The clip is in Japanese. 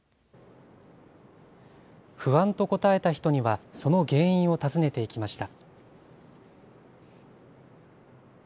不安と答えた人にはその原因を尋ねていきました。